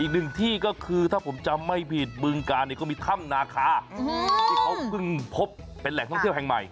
อีกหนึ่งที่ก็คือถ้าผมจำไม่ผิดบึงกาลเนี่ยก็มีถ้ำนาคาที่เขาเพิ่งพบเป็นแหล่งท่องเที่ยวแห่งใหม่